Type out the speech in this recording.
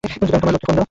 তোমার লোককে ফোন দাও।